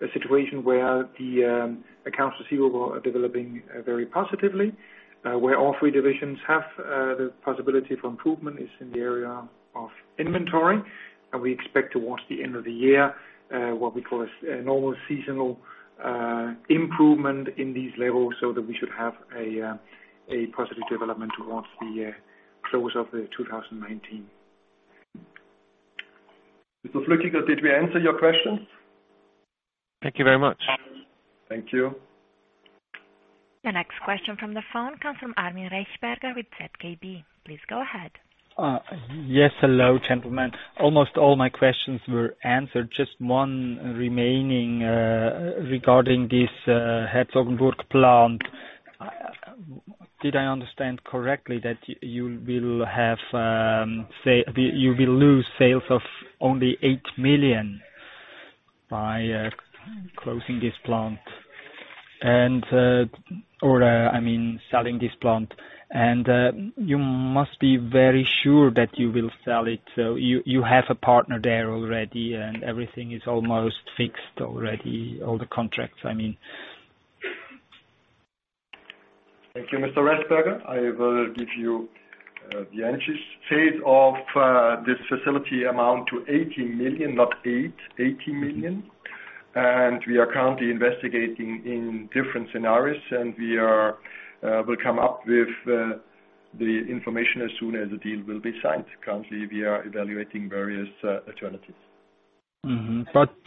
a situation where the accounts receivable are developing very positively, where all three divisions have the possibility for improvement is in the area of inventory. We expect towards the end of the year, what we call a normal seasonal improvement in these levels, so that we should have a positive development towards the close of 2019. Mr. Flückiger, did we answer your questions? Thank you very much. Thank you. The next question from the phone comes from Armin Rechberger with ZKB. Please go ahead. Yes. Hello, gentlemen. Almost all my questions were answered, just one remaining, regarding this Herzogenburg plant. Did I understand correctly that you will lose sales of only 8 million by closing this plant? Or, I mean, selling this plant. You must be very sure that you will sell it. You have a partner there already, and everything is almost fixed already. All the contracts, I mean. Thank you, Mr. Rechberger. I will give you the answers. Sales of this facility amount to 18 million, not 8, 18 million. We are currently investigating in different scenarios, and we will come up with the information as soon as the deal will be signed. Currently, we are evaluating various alternatives.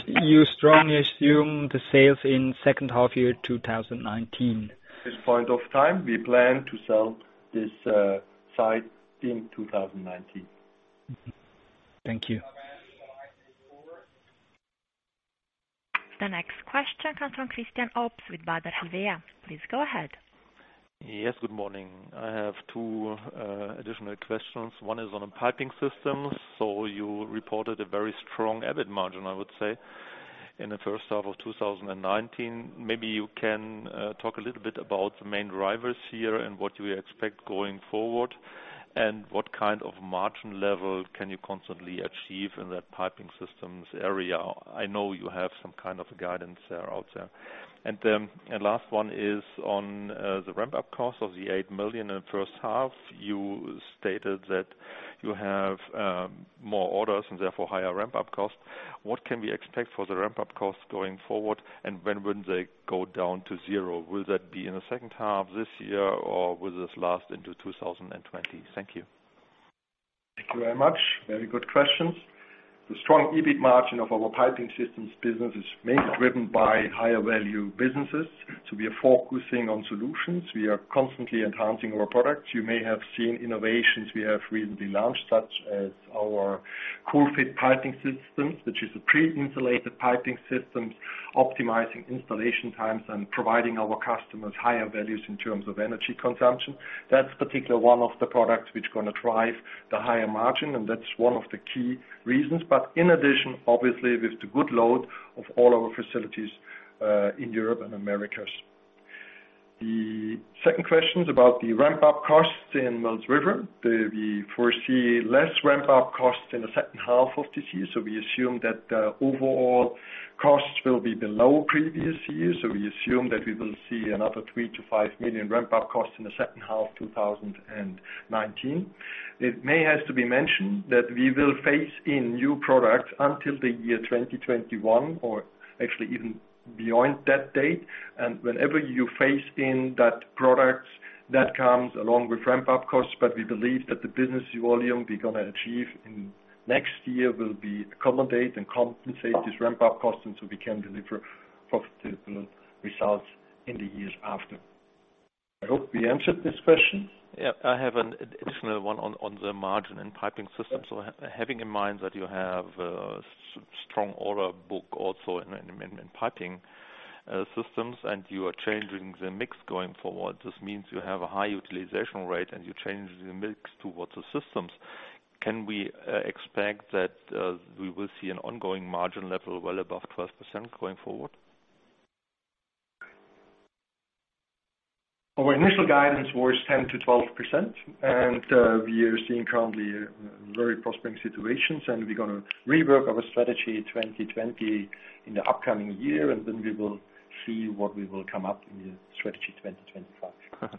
You strongly assume the sales in second half year 2019. This point of time, we plan to sell this site in 2019. Thank you. The next question comes from Christian Obst with Baader Helvea. Please go ahead. Yes. Good morning. I have two additional questions. One is on piping systems. You reported a very strong EBIT margin, I would say, in the first half of 2019. Maybe you can talk a little bit about the main drivers here and what you expect going forward, and what kind of margin level can you constantly achieve in that piping systems area? I know you have some kind of a guidance there out there. Last one is on the ramp-up cost of the 8 million in the first half. You stated that you have more orders and therefore higher ramp-up cost. What can we expect for the ramp-up cost going forward, and when would they go down to zero? Will that be in the second half this year, or will this last into 2020? Thank you. Thank you very much. Very good questions. The strong EBIT margin of our piping systems business is mainly driven by higher value businesses. We are focusing on solutions. We are constantly enhancing our products. You may have seen innovations we have recently launched, such as our COOL-FIT piping systems, which is a pre-insulated piping system, optimizing installation times and providing our customers higher values in terms of energy consumption. That's particularly one of the products which is going to drive the higher margin, and that's one of the key reasons. In addition, obviously, with the good load of all our facilities in Europe and Americas. The second question is about the ramp-up costs in Mills River. We foresee less ramp-up costs in the second half of this year. We assume that the overall costs will be below previous years. We assume that we will see another 3 million-5 million ramp-up costs in the second half 2019. It may have to be mentioned that we will phase in new products until the year 2021 or actually even beyond that date. Whenever you phase in that product, that comes along with ramp-up costs, we believe that the business volume we're going to achieve in next year will accommodate and compensate these ramp-up costs, we can deliver profitable results in the years after. I hope we answered this question. Yeah. I have an additional one on the margin and Piping Systems. Having in mind that you have a strong order book also in Piping Systems, and you are changing the mix going forward, this means you have a high utilization rate, and you change the mix towards the Piping Systems. Can we expect that we will see an ongoing margin level well above 12% going forward? Our initial guidance was 10%-12%, we are seeing currently a very prospering situation, we're going to rework our Strategy 2020 in the upcoming year, we will see what we will come up in the Strategy 2025.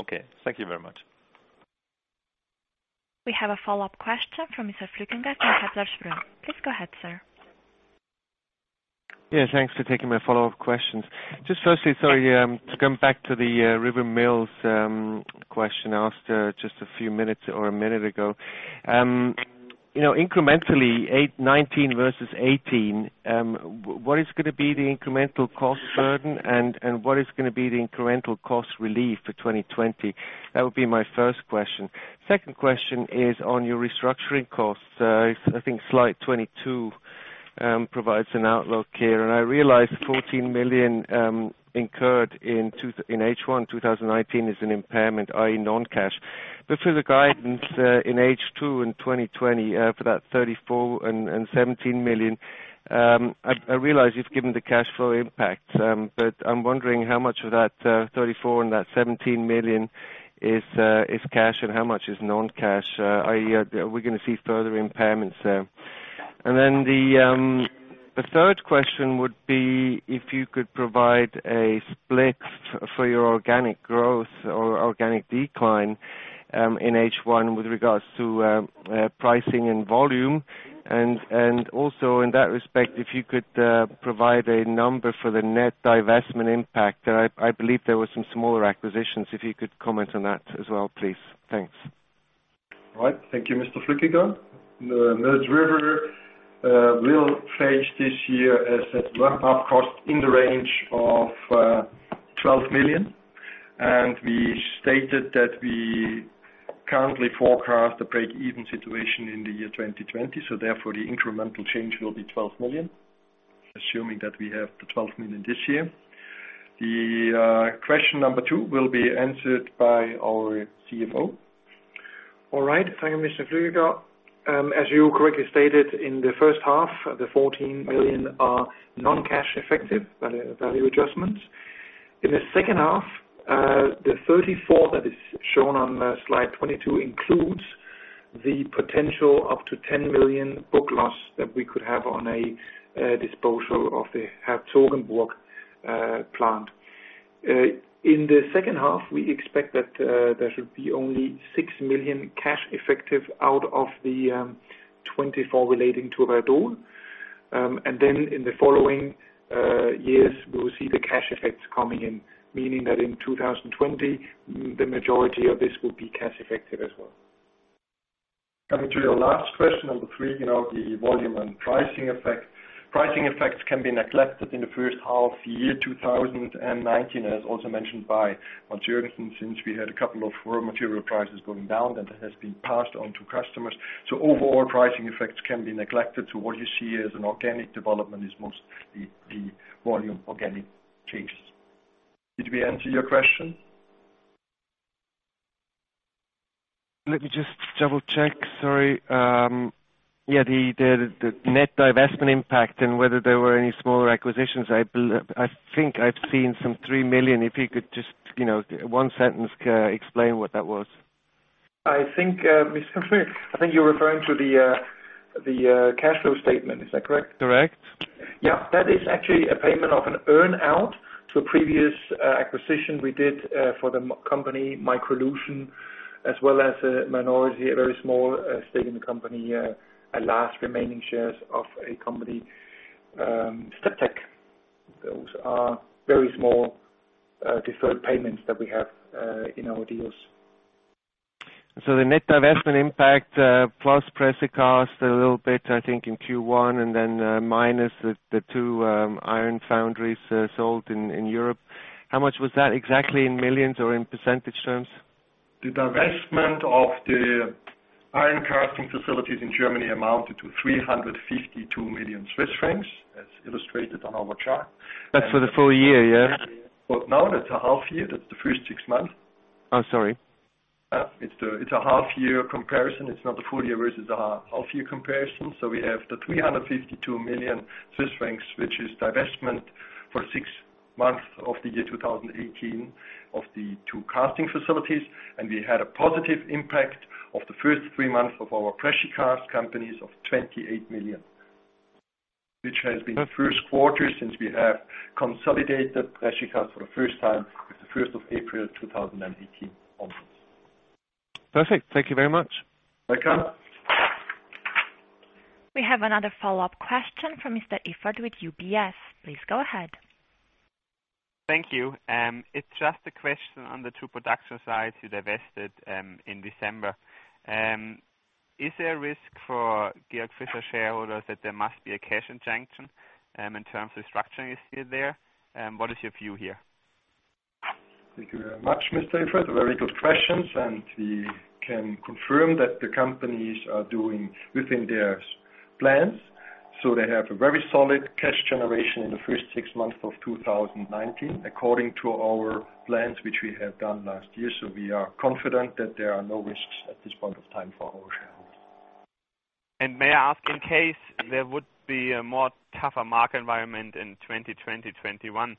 Okay. Thank you very much. We have a follow-up question from Mr. Flückiger at Kepler Cheuvreux. Please go ahead, sir. Thanks for taking my follow-up questions. Firstly, sorry, to come back to the Mills River question asked just a few minutes or a minute ago. Incrementally 2019 versus 2018, what is going to be the incremental cost burden and what is going to be the incremental cost relief for 2020? That would be my first question. Second question is on your restructuring costs. I think slide 22 provides an outlook here. I realize the 14 million incurred in H1 2019 is an impairment, i.e. non-cash. For the guidance in H2 in 2020 for that 34 million and 17 million, I realize you've given the cash flow impact, but I am wondering how much of that 34 million and that 17 million is cash and how much is non-cash? Are we going to see further impairments there? The third question would be if you could provide a split for your organic growth or organic decline in H1 with regards to pricing and volume, and also in that respect, if you could provide a number for the net divestment impact. I believe there were some smaller acquisitions, if you could comment on that as well, please? Thanks. All right. Thank you, Mr. Flückiger. The Mills River will face this year a setup cost in the range of 12 million. We stated that we currently forecast a break-even situation in the year 2020, therefore the incremental change will be 12 million, assuming that we have the 12 million this year. The question number two will be answered by our CFO. All right. Thank you, Mr. Flückiger. As you correctly stated in the first half, the 14 million are non-cash effective value adjustments. In the second half, the 34 that is shown on slide 22 includes the potential up to 10 million book loss that we could have on a disposal of the Herzogenburg plant. In the second half, we expect that there should be only 6 million cash effective out of the 24 relating to Verdon. In the following years, we will see the cash effects coming in, meaning that in 2020, the majority of this will be cash effective as well. Coming to your last question, number three, the volume and pricing effect. Pricing effects can be neglected in the first half year 2019, as also mentioned by Hans-Jürgen, since we had a couple of raw material prices going down that has been passed on to customers. Overall, pricing effects can be neglected to what you see as an organic development is mostly the volume organic changes. Did we answer your question? Let me just double-check. Sorry. Yeah, the net divestment impact and whether there were any smaller acquisitions. I think I've seen some 3 million, if you could just one sentence explain what that was. I think you're referring to the cash flow statement. Is that correct? Correct. Yeah. That is actually a payment of an earn-out to a previous acquisition we did for the company, Microlution, as well as a minority, a very small stake in the company, our last remaining shares of a company, Step-Tec. Those are very small, deferred payments that we have in our deals. The net divestment impact plus Precicast a little bit, I think, in Q1, and then minus the two iron foundries sold in Europe. How much was that exactly in millions or in percentage terms? The divestment of the iron casting facilities in Germany amounted to 352 million Swiss francs, as illustrated on our chart. That's for the full year, yeah? Now that's a half year. That's the first six months. Oh, sorry. It's a half-year comparison. It's not the full year versus the half-year comparison. We have the 352 million Swiss francs, which is divestment for six months of the year 2018 of the two casting facilities. We had a positive impact of the first three months of our Precicast companies of 28 million, which has been the first quarter since we have consolidated Precicast for the first time with the April 1st, 2018, onwards. Perfect. Thank you very much. Welcome. We have another follow-up question from Mr. Iffert with UBS. Please go ahead. Thank you. It's just a question on the two production sites you divested in December. Is there a risk for Georg Fischer shareholders that there must be a cash injection in terms of structuring is still there? What is your view here? Thank you very much, Mr. Iffert. Very good questions. We can confirm that the companies are doing within their plans. They have a very solid cash generation in the first six months of 2019, according to our plans, which we have done last year. We are confident that there are no risks at this point of time for our shareholders. May I ask, in case there would be a more tougher market environment in 2020, 2021,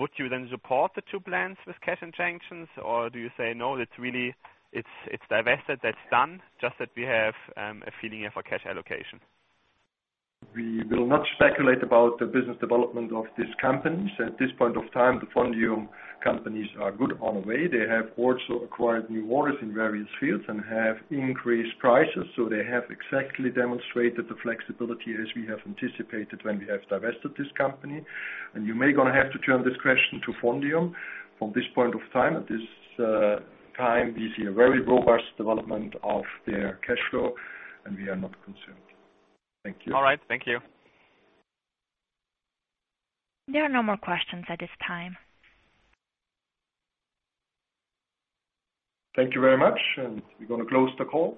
would you then support the two plans with cash injections? Do you say, "No, it's divested, that's done. Just that we have a feeling of a cash allocation. We will not speculate about the business development of these companies. At this point of time, the FONDIUM companies are good on their way. They have also acquired new orders in various fields and have increased prices. They have exactly demonstrated the flexibility as we have anticipated when we have divested this company. You may going to have to turn this question to FONDIUM from this point of time. At this time, we see a very robust development of their cash flow, and we are not concerned. Thank you. All right. Thank you. There are no more questions at this time. Thank you very much, and we're going to close the call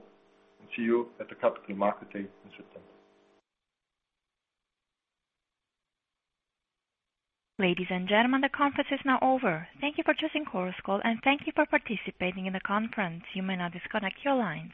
and see you at the Capital Market Day in September. Ladies and gentlemen, the conference is now over. Thank you for choosing Chorus Call, and thank you for participating in the conference. You may now disconnect your lines.